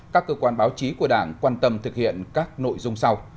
các cơ quan báo chí của đảng quan tâm thực hiện các nội dung sau